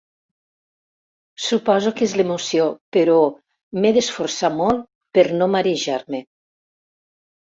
Suposo que és l'emoció, però m'he d'esforçar molt per no marejar-me.